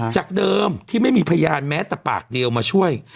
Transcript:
จากเดิมที่ไม่มีพยานแม้แต่ปากเดียวมาช่วย